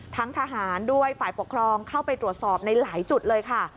ทั้งทหารด้วยฝ่ายปกครองเข้าไปตรวจสอบในหลายจุดเลยค่ะ